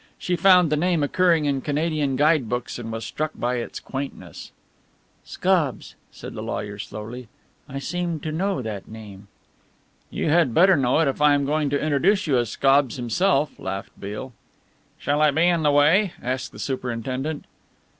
"She found the name occurring in Canadian guide books and was struck by its quaintness." "Scobbs," said the lawyer slowly. "I seem to know that name." "You had better know it if I am going to introduce you as Scobbs himself," laughed Beale. "Shall I be in the way?" asked the superintendent.